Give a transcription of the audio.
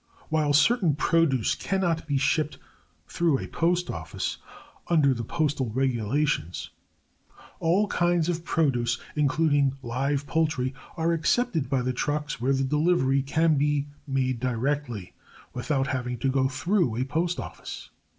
While certain produce cannot be shipped through a postoffice, under the postal regulations, all kinds of produce, including live poultry, are accepted by the trucks where the delivery can be made directly without having to go through a postoffice.